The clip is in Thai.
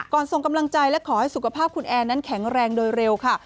ส่งกำลังใจและขอให้สุขภาพคุณแอร์นั้นแข็งแรงโดยเร็วค่ะ